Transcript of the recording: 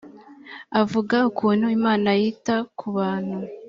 avuga ukuntu imana yita ku bantu